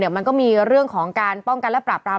มันก็มีเรื่องของการป้องกันและปราบราม